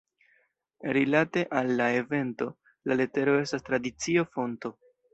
Rilate al la evento, la letero estas tradicio-fonto.